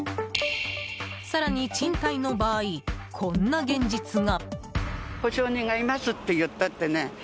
更に賃貸の場合こんな現実が。